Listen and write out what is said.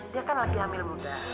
dia kan lagi hamil muda